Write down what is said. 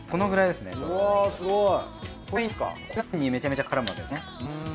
これが麺にめちゃめちゃからむわけですね。